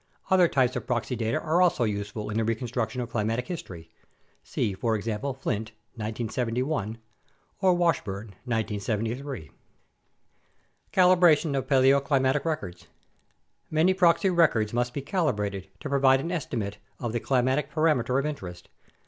Other types of proxy data are also useful in the reconstruction of climatic history (see, for example, Flint, 1971, or Washburn, 1973). Calibration of Paleoclimatic Records Many proxy records must be calibrated to provide an estimate of the climatic parameter of interest.